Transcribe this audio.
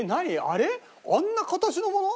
あんな形のもの？